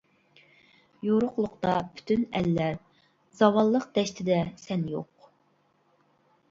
يورۇقلۇقتا پۈتۈن ئەللەر، زاۋاللىق دەشتىدە سەن يوق.